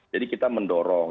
jadi kita mendorong